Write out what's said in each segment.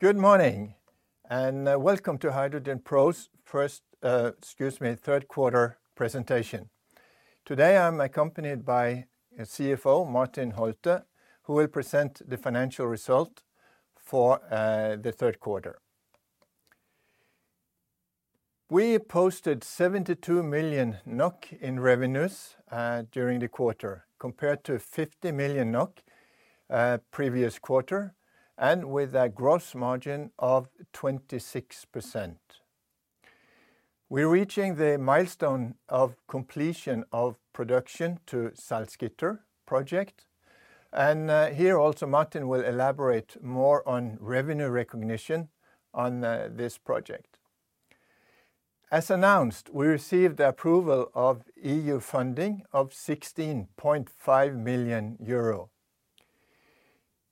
Good morning and Welcome to HydrogenPro's First, excuse me, Q3 presentation. Today I'm accompanied by CFO Martin Holtet, who will present the financial result for the Q3. We posted 72 million NOK in revenues during the quarter, compared to 50 million NOK previous quarter, and with a gross margin of 26%, we're reaching the milestone of completion of production to Salzgitter project, and here also Martin will elaborate more on revenue recognition on this project. As announced, we received the approval of EU funding of 16.5 million euro.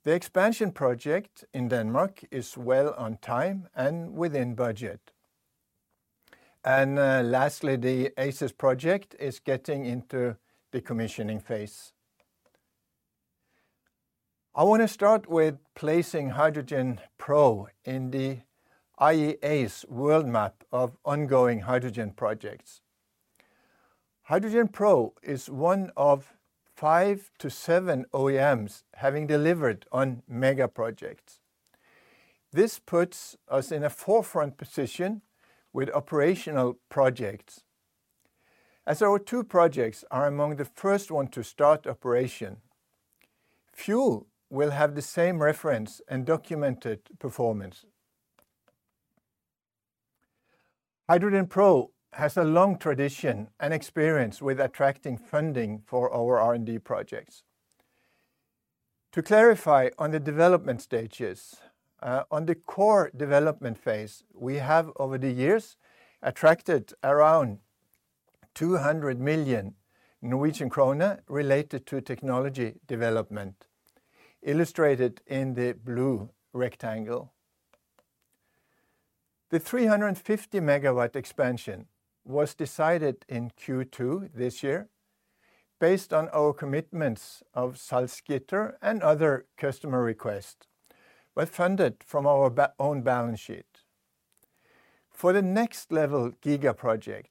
The expansion project in Denmark is well on time and within budget and lastly, the ACES project is getting into the commissioning phase, I want to start with placing HydrogenPro in the IEA's world map of ongoing hydrogen projects. HydrogenPro is one of five to seven OEMs having delivered on mega projects. This puts us in a forefront position with operational projects. As our two projects are among the first ones to start operation, we'll have the same reference and documented performance. HydrogenPro has a long tradition and experience with attracting funding for our R&D projects. To clarify on the development stages, on the core development phase, we have over the years attracted around 200 million Norwegian kroner related to technology development, illustrated in the blue rectangle. The 350 MW expansion was decided in Q2 this year, based on our commitments of Salzgitter and other customer requests, but funded from our own balance sheet. For the next level giga project,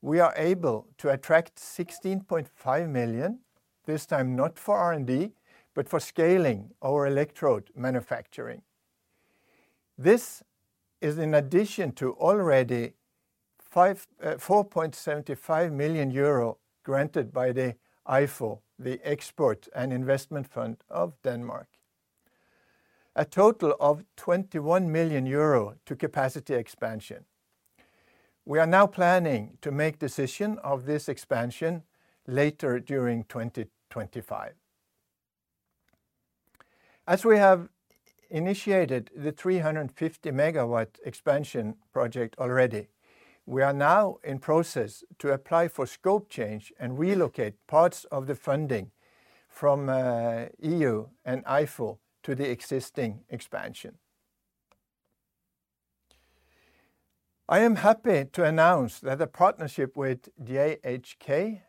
we are able to attract 16.5 million EUR, this time not for R&D, but for scaling our electrode manufacturing, this is in addition to already 4.75 million euro granted by the IFO. The Export and Investment Fund of Denmark, a total of 21 million euro to capacity expansion. We are now planning to make decisions on this expansion later during 2025. As we have initiated the 350 megawatt expansion project already, we are now in process to apply for scope change and relocate parts of the funding from EU and IFO to the existing expansion. I am happy to announce that the partnership with JHK,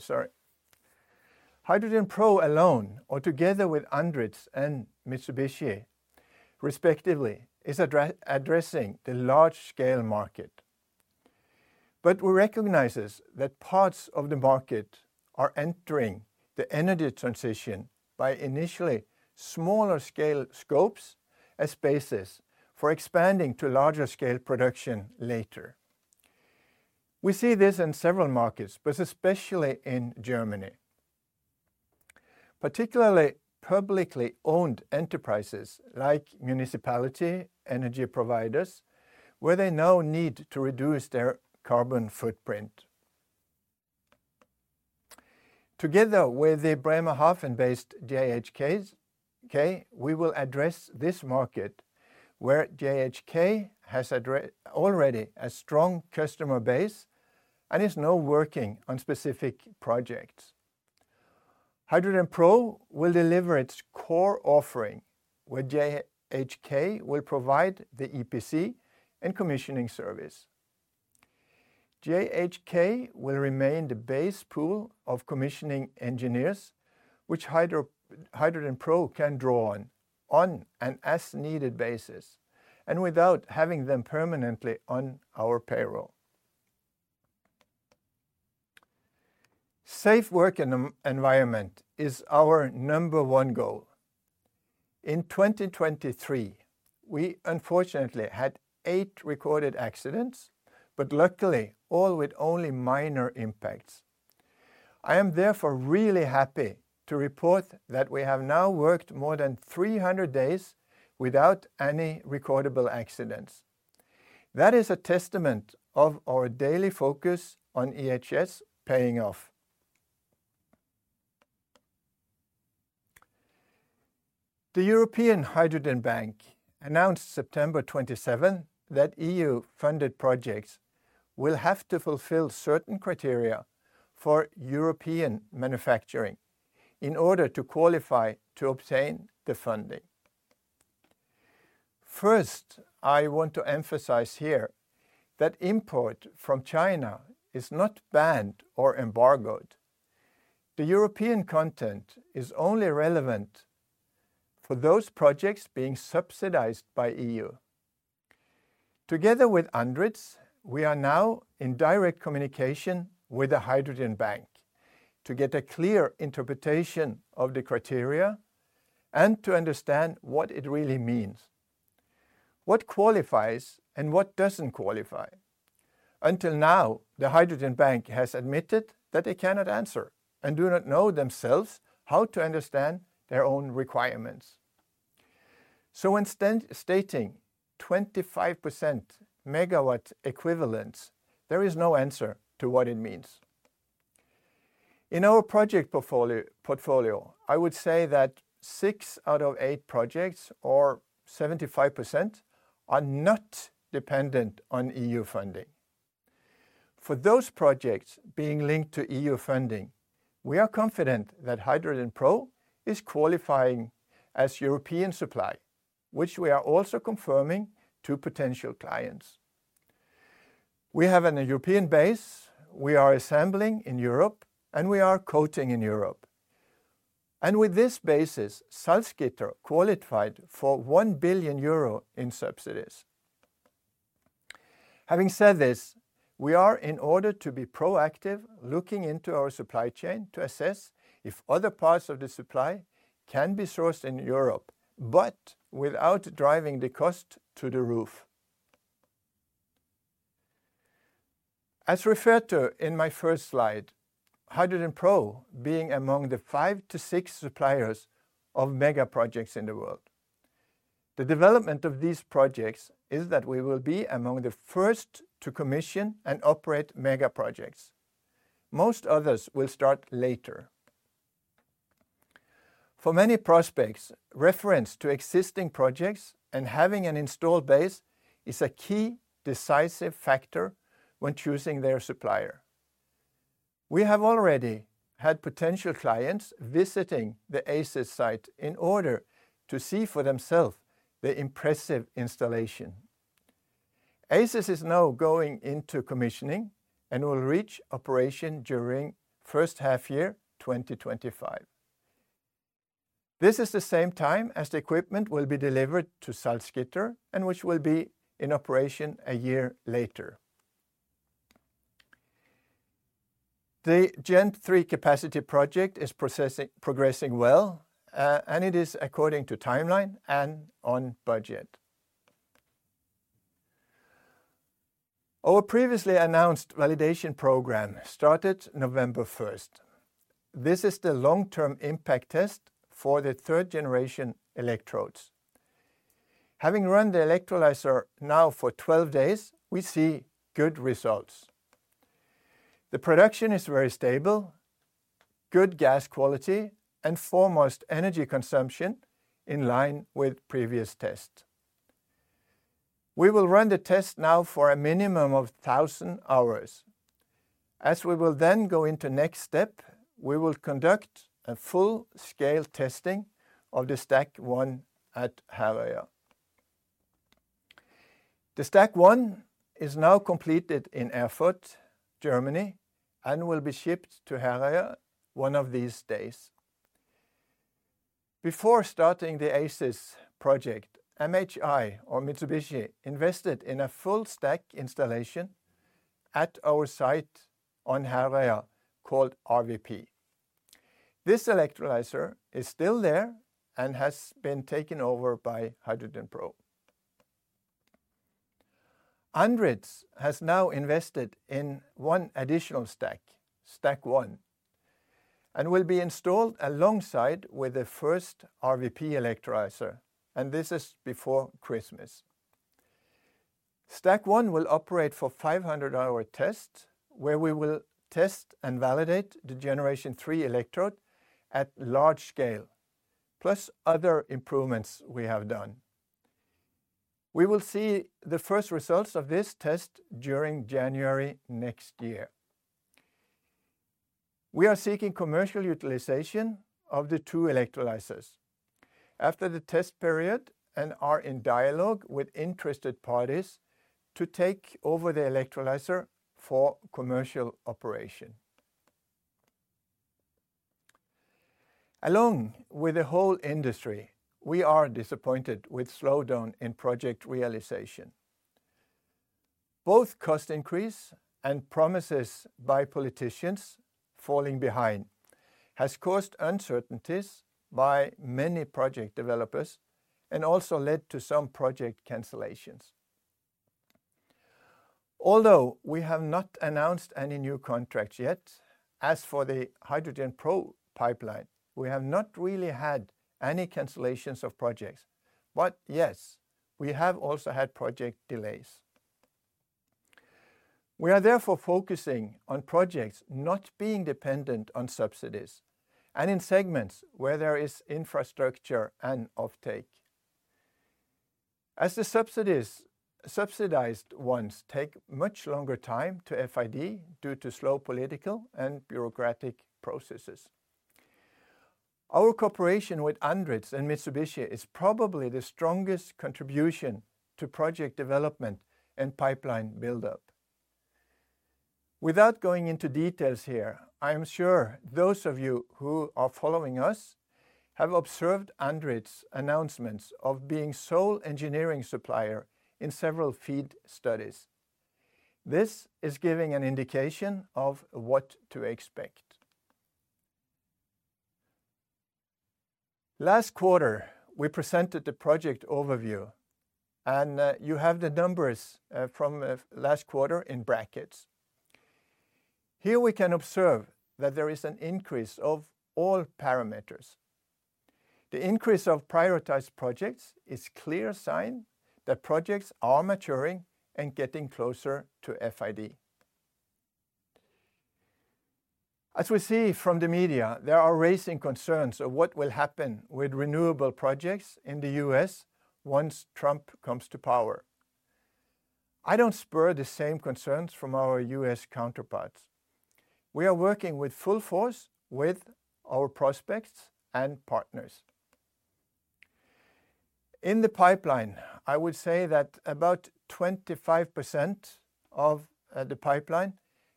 sorry, HydrogenPro alone, or together with Andritz and Mitsubishi, respectively, is addressing the large-scale market. But we recognize that parts of the market are entering the energy transition by initially smaller-scale scopes as basis for expanding to larger-scale production later, we see this in several markets, but especially in Germany. Particularly publicly owned enterprises like municipality energy providers, where they now need to reduce their carbon footprint. Together with the Bremerhaven-based JHK, we will address this market, where JHK has already a strong customer base and is now working on specific projects. HydrogenPro will deliver its core offering, where JHK will provide the EPC and commissioning service. JHK will remain the base pool of commissioning engineers, which HydrogenPro can draw on, on an as-needed basis and without having them permanently on our payroll. Safe work environment is our number one goal. In 2023, we unfortunately had eight recorded accidents, but luckily all with only minor impacts, I am therefore really happy to report that we have now worked more than 300 days without any recordable accidents. That is a testament to our daily focus on EHS paying off, the European Hydrogen Bank announced September 27 that EU-funded projects. Will have to fulfill certain criteria for European manufacturing in order to qualify to obtain the funding. First, I want to emphasize here that import from China is not banned or embargoed. The European content is only relevant for those projects being subsidized by EU. Together with Andritz, we are now in direct communication with the Hydrogen Bank to get a clear interpretation of the criteria and to understand what it really means, what qualifies and what doesn't qualify? Until now, the Hydrogen Bank has admitted that they cannot answer and do not know themselves how to understand their own requirements. So when stating 25% megawatt equivalents, there is no answer to what it means. In our project portfolio, I would say that six out of eight projects, or 75%, are not dependent on EU funding. For those projects being linked to EU funding, we are confident that HydrogenPro is qualifying as European supply, which we are also confirming to potential clients. We have a European base, we are assembling in Europe, and we are quoting in Europe. With this basis, Salzgitter qualified for 1 billion euro in subsidies. Having said this, we are, in order to be proactive, looking into our supply chain to assess if other parts of the supply can be sourced in Europe, but without driving the cost to the roof. As referred to in my first slide, HydrogenPro being among the five to six suppliers of mega projects in the world. The development of these projects is that we will be among the first to commission and operate mega projects, most others will start later. For many prospects, reference to existing projects and having an installed base is a key decisive factor when choosing their supplier. We have already had potential clients visiting the ACES site in order to see for themselves the impressive installation. ACES is now going into commissioning and will reach operation during the H1 year 2025. This is the same time as the equipment will be delivered to Salzgitter and which will be in operation a year later, the Gen3 capacity project is progressing well, and it is according to timeline and on budget. Our previously announced validation program started November 1st, this is the long-term impact test for the third generation electrodes. Having run the electrolyzer now for 12 days, we see good results, the production is very stable, good gas quality. And foremost energy consumption in line with previous tests, we will run the test now for a minimum of 1,000 hours. As we will then go into the next step, we will conduct a full-scale testing of the Stack 1 at Herøya. The Stack 1 is now completed in Erfurt, Germany, and will be shipped to Herøya one of these days. Before starting the ACES project, MHI or Mitsubishi invested in a full stack installation at our site on Herøya called RVP. This electrolyzer is still there and has been taken over by HydrogenPro. Andritz has now invested in one additional stack, Stack 1, and will be installed alongside the first RVP electrolyzer, and this is before Christmas. Stack 1 will operate for 500-hour tests, where we will test and validate the Generation 3 electrode at large scale. Plus other improvements we have done, we will see the first results of this test during January next year. We are seeking commercial utilization of the two electrolyzers after the test period and are in dialogue with interested parties to take over the electrolyzer for commercial operation. Along with the whole industry, we are disappointed with the slowdown in project realization. Both cost increase and promises by politicians falling behind have caused uncertainties by many project developers and also led to some project cancellations. Although we have not announced any new contracts yet, as for the HydrogenPro pipeline, we have not really had any cancellations of projects, but yes, we have also had project delays. We are therefore focusing on projects not being dependent on subsidies and in segments where there is infrastructure and offtake. As the subsidized ones take much longer time to FID due to slow political and bureaucratic processes, our cooperation with Andritz and Mitsubishi is probably the strongest contribution to project development and pipeline build-up. Without going into details here, I am sure those of you who are following us have observed Andritz's announcements of being sole engineering supplier in several FEED studies. This is giving an indication of what to expect. Last quarter, we presented the project overview, and you have the numbers from last quarter in brackets. Here we can observe that there is an increase of all parameters. The increase of prioritized projects is a clear sign that projects are maturing and getting closer to FID. As we see from the media, there are rising concerns of what will happen with renewable projects in the U.S. Once Trump comes to power. I don't share the same concerns from our U.S. counterparts. We are working with full force with our prospects and partners. In the pipeline, I would say that about 25% of the pipeline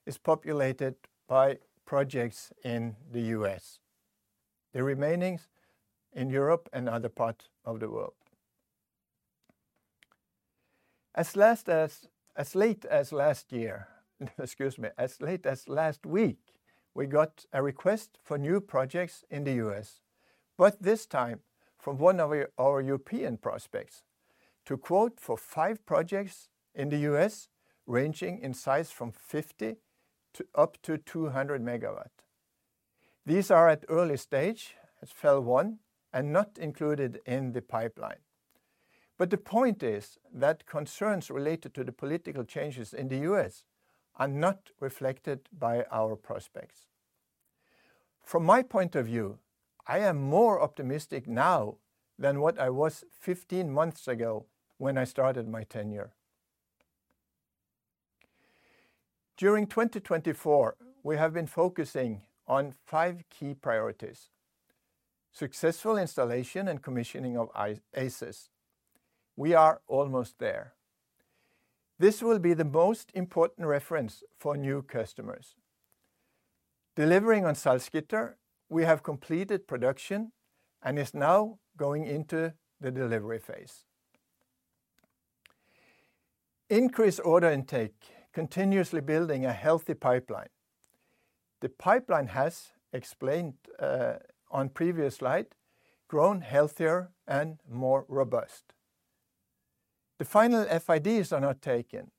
is populated by projects in the U.S., the remaining in Europe and other parts of the world. As late as last year, excuse me, as late as last week, we got a request for new projects in the U.S., but this time from one of our European prospects to quote for five projects in the U.S. ranging in size from 50 to up to 200 megawatt. These are at early stage as FEL1 and not included in the pipeline but the point is that concerns related to the political changes in the U.S. are not reflected by our prospects. From my point of view, I am more optimistic now than what I was 15 months ago when I started my tenure. During 2024, we have been focusing on five key priorities: successful installation and commissioning of ACES, we are almost there, this will be the most important reference for new customers. Delivering on Salzgitter, we have completed production and is now going into the delivery phase. Increased order intake, continuously building a healthy pipeline. The pipeline has, explained on previous slide, grown healthier and more robust, the final FIDs are not taken,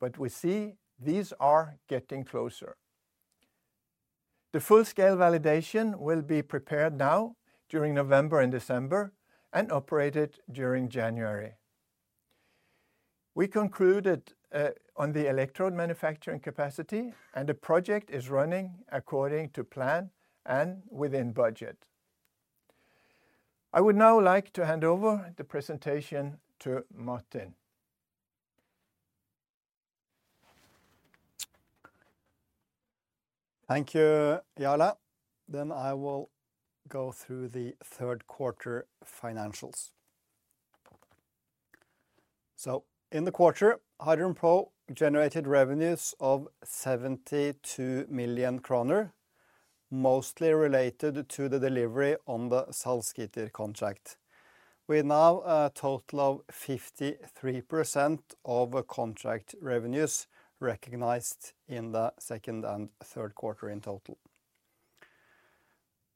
but we see these are getting closer. The full-scale validation will be prepared now during November and December and operated during January, we concluded on the electrode manufacturing capacity, and the project is running according to plan and within budget. I would now like to hand over the presentation to Martin. Thank you, Jarle, then I will go through the Q3 financials. So in the quarter, HydrogenPro generated revenues of 72 million kroner, mostly related to the delivery on the Salzgitter contract. We now have a total of 53% of contract revenues recognized in the second and Q3 in total.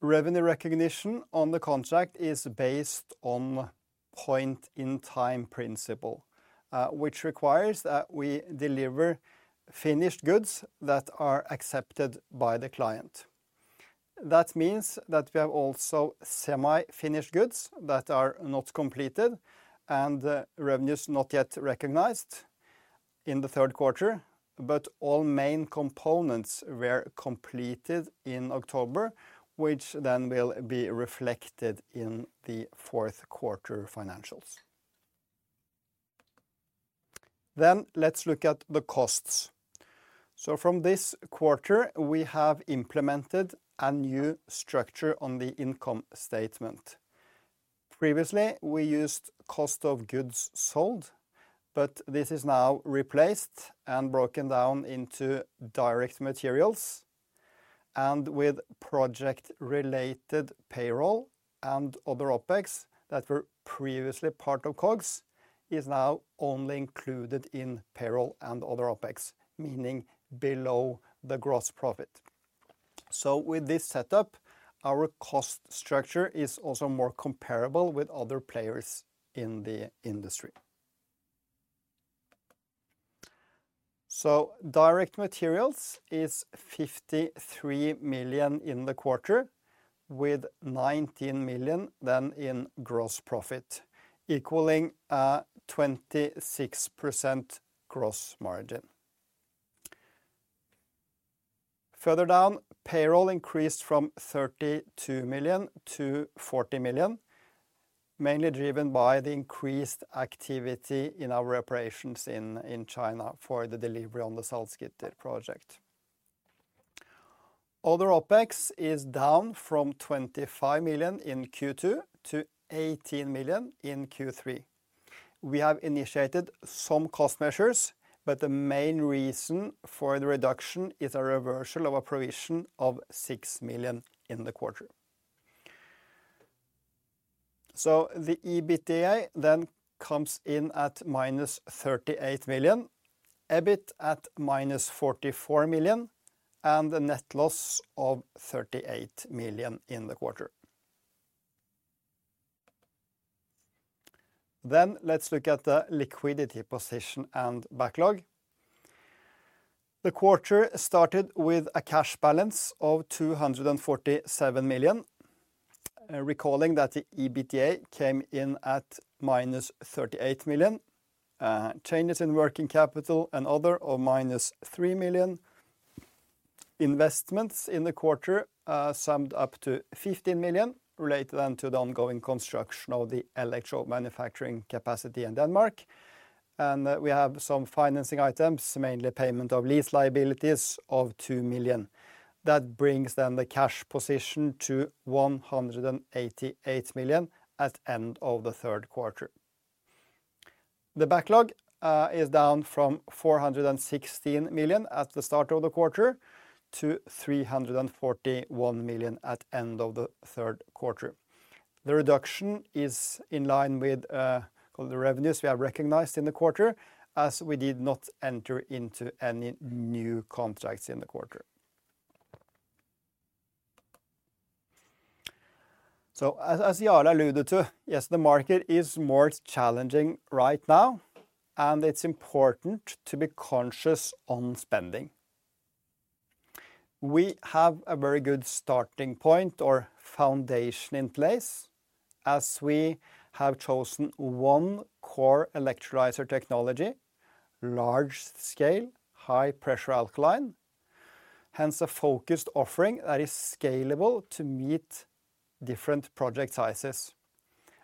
Revenue recognition on the contract is based on point-in-time principle, which requires that we deliver finished goods that are accepted by the client. That means that we have also semi-finished goods that are not completed and revenues not yet recognized in the Q3, but all main components were completed in October, which then will be reflected in the Q4 financials then let's look at the costs. So from this quarter, we have implemented a new structure on the income statement. Previously, we used cost of goods sold, but this is now replaced and broken down into direct materials. And with project-related payroll and other OpEx that were previously part of COGS, it is now only included in payroll and other OpEx, meaning below the gross profit. So with this setup, our cost structure is also more comparable with other players in the industry. Direct materials is 53 million in the quarter, with 19 million then in gross profit, equaling a 26% gross margin. Further down, payroll increased from 32 million to 40 million, mainly driven by the increased activity in our operations in China for the delivery on the Salzgitter project. Other OpEx is down from 25 million in Q2 to 18 million in Q3. We have initiated some cost measures, but the main reason for the reduction is a reversal of a provision of six million in the quarter. The EBITDA then comes in at minus 38 million, EBIT at minus 44 million, and a net loss of 38 million in the quarter. Let's look at the liquidity position and backlog. The quarter started with a cash balance of 247 million, recalling that the EBITDA came in at minus 38 million. Changes in working capital and other of minus 3 million. Investments in the quarter summed up to 15 million, related then to the ongoing construction of the electrode manufacturing capacity in Denmark, and we have some financing items, mainly payment of lease liabilities of 2 million. That brings then the cash position to 188 million at the end of the Q3. The backlog is down from 416 million at the start of the quarter to 341 million at the end of the Q3. The reduction is in line with the revenues we have recognized in the quarter, as we did not enter into any new contracts in the quarter, so as Jarle alluded to, yes, the market is more challenging right now, and it's important to be conscious on spending. We have a very good starting point or foundation in place, as we have chosen one core electrolyzer technology, large scale, high pressure alkaline, hence a focused offering that is scalable to meet different project sizes.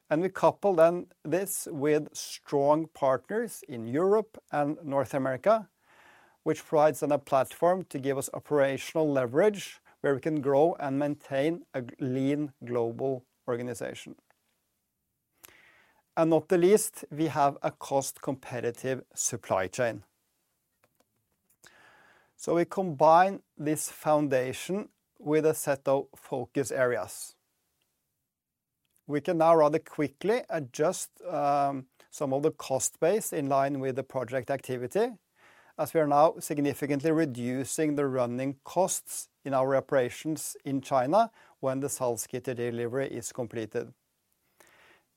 And we couple then this with strong partners in Europe and North America. Which provides a platform to give us operational leverage where we can grow and maintain a lean global organization. And not the least, we have a cost-competitive supply chain. So we combine this foundation with a set of focus areas. We can now rather quickly adjust some of the cost base in line with the project activity, as we are now significantly reducing the running costs in our operations in China when the Salzgitter delivery is completed.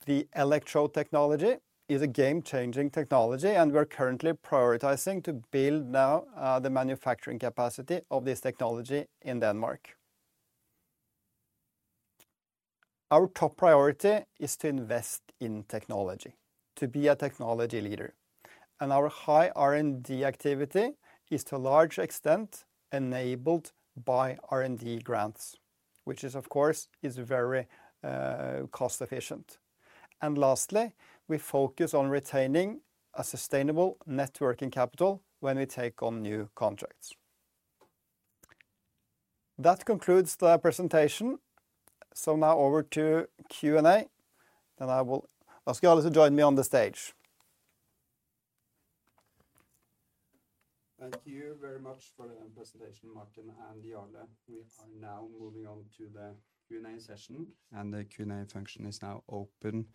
The electrode technology is a game-changing technology, and we are currently prioritizing to build now the manufacturing capacity of this technology in Denmark. Our top priority is to invest in technology, to be a technology leader and our high R&D activity is to a large extent enabled by R&D grants, which is, of course, very cost-efficient. And lastly, we focus on retaining a sustainable net working capital when we take on new contracts. That concludes the presentation. So now over to Q and A. Then I will ask Jarle to join me on the stage. Thank you very much for the presentation, Martin and Jarle. We are now moving on to the Q and A session, and the Q and A function is now open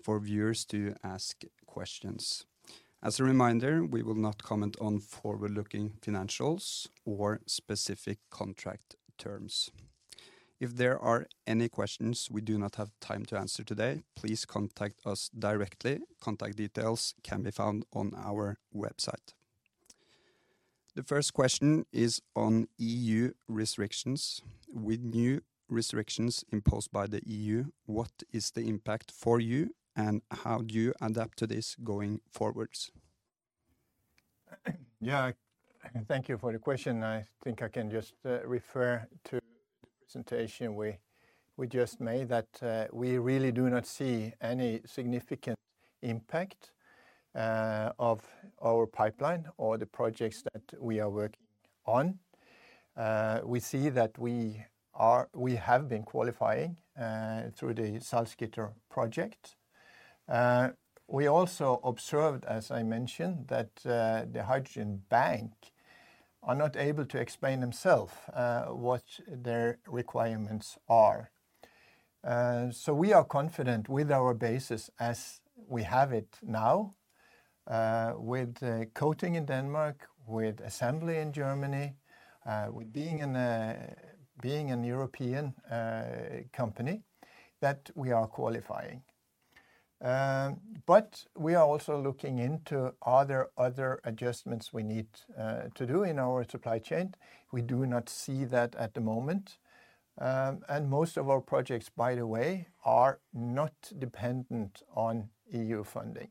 for viewers to ask questions. As a reminder, we will not comment on forward-looking financials or specific contract terms. If there are any questions we do not have time to answer today, please contact us directly. Contact details can be found on our website. The first question is on EU restrictions, with new restrictions imposed by the EU, what is the impact for you, and how do you adapt to this going forward? Yeah, thank you for the question, I think I can just refer to the presentation we just made that we really do not see any significant impact of our pipeline or the projects that we are working on. We see that we have been qualifying through the Salzgitter project. We also observed, as I mentioned, that the Hydrogen Bank are not able to explain themselves what their requirements are. So we are confident with our basis as we have it now, with coating in Denmark, with assembly in Germany, with being a European company that we are qualifying. But we are also looking into other adjustments we need to do in our supply chain. We do not see that at the moment and most of our projects, by the way, are not dependent on EU funding.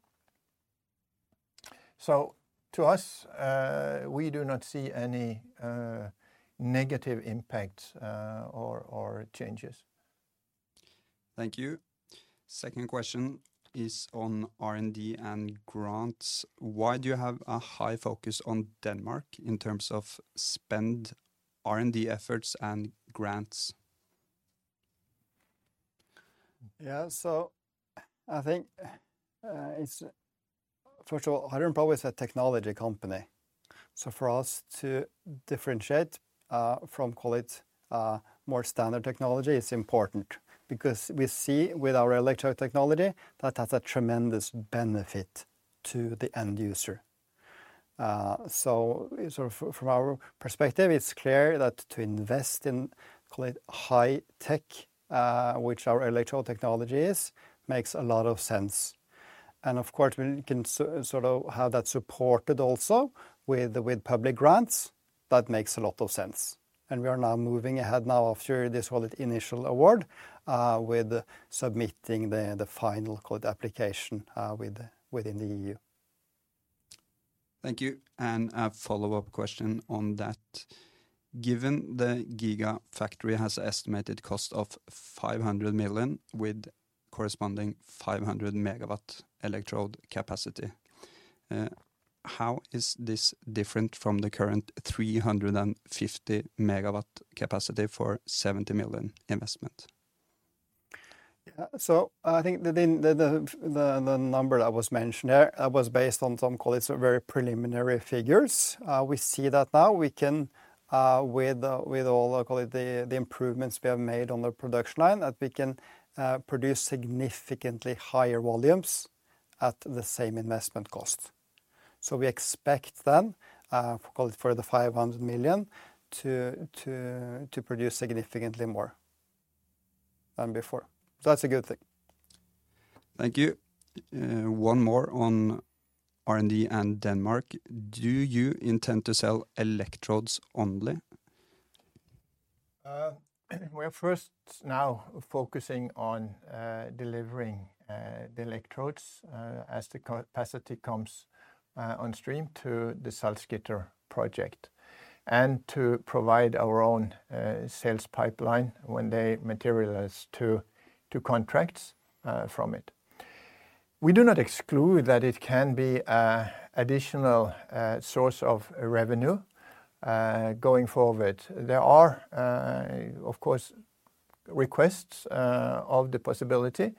So to us, we do not see any negative impacts or changes. Thank you. Second question is on R&D and grants. Why do you have a high focus on Denmark in terms of spending R&D efforts and grants? Yeah, so I think it's, first of all, HydrogenPro is a technology company. So for us to differentiate from, call it, more standard technology, it's important because we see with our electrode technology that has a tremendous benefit to the end user. So from our perspective, it's clear that to invest in, call it, high tech, which our electrode technology is, makes a lot of sense. And of course, we can sort of have that supported also with public grants. That makes a lot of sense and we are now moving ahead now after this, call it, initial award with submitting the final, call it, application within the EU. Thank you. And a follow-up question on that. Given the Giga factory has an estimated cost of 500 million with corresponding 500 megawatt electrode capacity, how is this different from the current 350 megawatt capacity for 70 million investment? Yeah, so I think the number that was mentioned there, that was based on some, call it, very preliminary figures. We see that now we can, with all the, call it, the improvements we have made on the production line, that we can produce significantly higher volumes at the same investment cost. So we expect then, call it, for the 500 million to produce significantly more than before. So that's a good thing. Thank you. One more on R&D and Denmark. Do you intend to sell electrodes only? We are first now focusing on delivering the electrodes as the capacity comes on stream to the Salzgitter project and to provide our own sales pipeline when they materialize to contracts from it. We do not exclude that it can be an additional source of revenue going forward. There are, of course, requests of the possibility.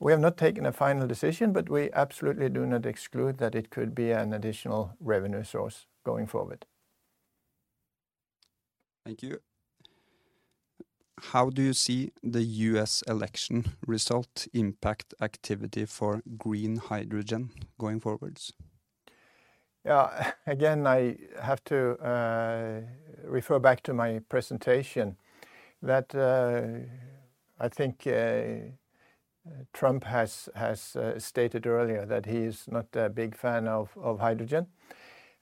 We have not taken a final decision, but we absolutely do not exclude that it could be an additional revenue source going forward. Thank you. How do you see the U.S. election result impact activity for green hydrogen going forwards? Yeah, again, I have to refer back to my presentation that I think Trump has stated earlier that he is not a big fan of hydrogen.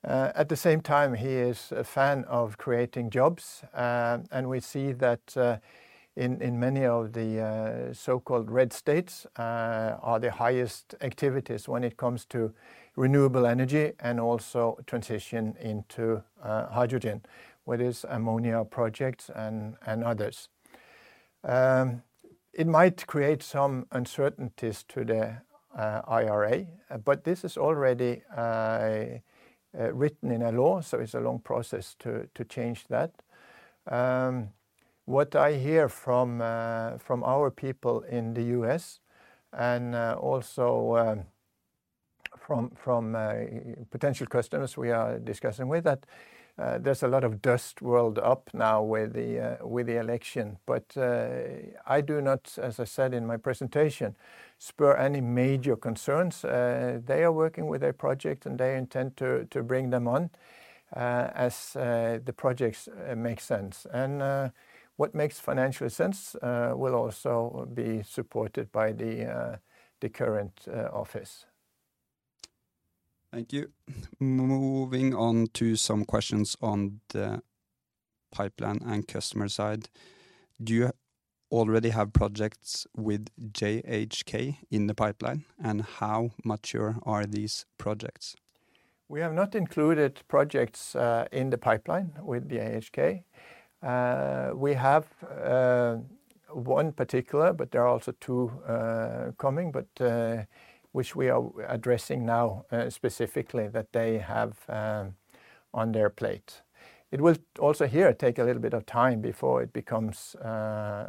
At the same time, he is a fan of creating jobs. We see that in many of the so-called red states are the highest activities when it comes to renewable energy and also transition into hydrogen, whether it's ammonia projects and others. It might create some uncertainties to the IRA, but this is already written in a law, so it's a long process to change that. What I hear from our people in the U.S. and also from potential customers we are discussing with, that there's a lot of dust riled up now with the election. But I do not, as I said in my presentation, see any major concerns. They are working with their project, and they intend to bring them on as the projects make sense. And what makes financial sense will also be supported by the current office. Thank you. Moving on to some questions on the pipeline and customer side. Do you already have projects with JHK in the pipeline, and how mature are these projects? We have not included projects in the pipeline with JHK. We have one particular, but there are also two coming, but which we are addressing now specifically that they have on their plate. It will also here take a little bit of time before it becomes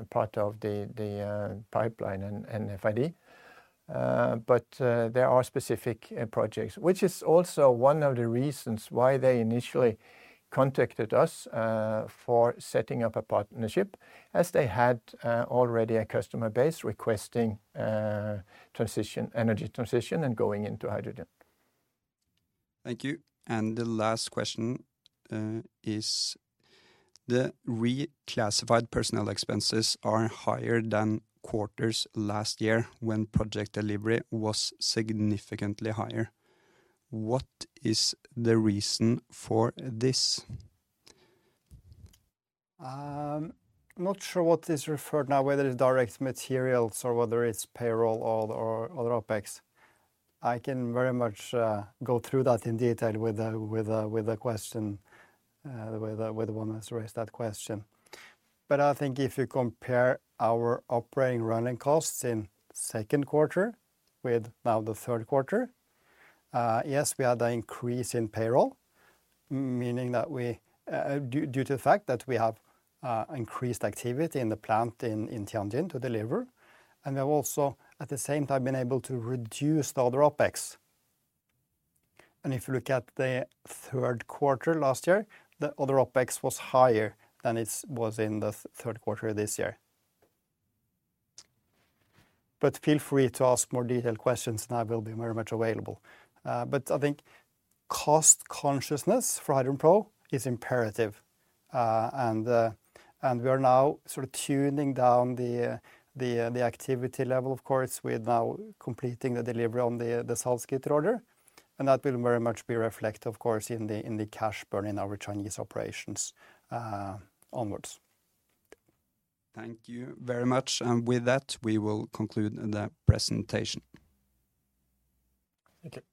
part of the pipeline and FID. But there are specific projects, which is also one of the reasons why they initially contacted us for setting up a partnership, as they had already a customer base requesting energy transition and going into hydrogen. Thank you. And the last question is, the reclassified personnel expenses are higher than quarters last year when project delivery was significantly higher. What is the reason for this? I'm not sure what is referred to now, whether it's direct materials or whether it's payroll or other OpEx. I can very much go through that in detail with the question, with the one that's raised that question. But I think if you compare our operating running costs in Q2 with now the Q3, yes, we had an increase in payroll, meaning that we due to the fact that we have increased activity in the plant in Tianjin to deliver and we have also, at the same time, been able to reduce the other OpEx and if you look at the Q3 last year, the other OpEx was higher than it was in the Q3 this year. But feel free to ask more detailed questions, and I will be very much available. But I think cost consciousness for HydrogenPro is imperative. We are now sort of toning down the activity level, of course, with now completing the delivery on the Salzgitter order. That will very much be reflected, of course, in the cash burn in our Chinese operations onwards. Thank you very much. With that, we will conclude the presentation. Thank you.